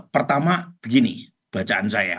pertama begini bacaan saya